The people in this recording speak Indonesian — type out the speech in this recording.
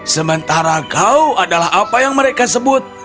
sementara kau adalah apa yang mereka sebut